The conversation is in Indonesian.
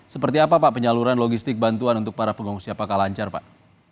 seperti apa pak penyaluran logistik bantuan untuk para pengungsi apakah lancar pak